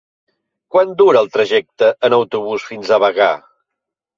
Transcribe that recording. Quant dura el trajecte en autobús fins a Bagà?